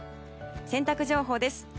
洗濯情報です。